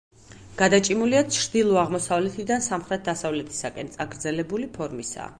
გადაჭიმულია ჩრდილო-აღმოსავლეთიდან სამხრეთ-დასავლეთისაკენ; წაგრძელებული ფორმისაა.